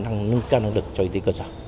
và nâng cao năng lực cho y tế